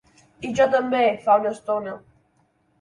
I jo també, fa una estona.